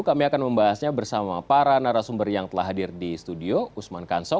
kami akan membahasnya bersama para narasumber yang telah hadir di studio usman kansong